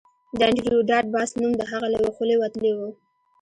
د انډریو ډاټ باس نوم د هغه له خولې وتلی و